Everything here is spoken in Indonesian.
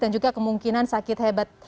dan juga kemungkinan sakit hebat